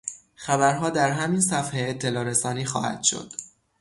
خبرها در همین صفحه اطلاعرسانی خواهد شد